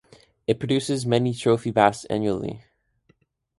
It produces many trophy bass annually.